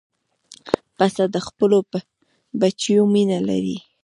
پسه د خپلو بچیو مینه لري.